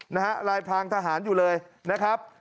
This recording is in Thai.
นะฮะลายพรางทหารอยู่เลยนะครับ